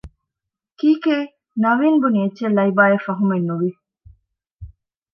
ކީކޭ؟ ނަވީން ބުނި އެއްޗެއް ލައިބާއަށް ފަހުމެއް ނުވި